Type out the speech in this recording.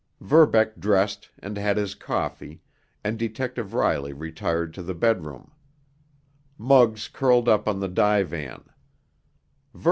Verbeck dressed and had his coffee, and Detective Riley retired to the bedroom. Muggs curled up on the divan.